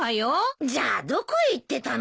じゃあどこへ行ってたの？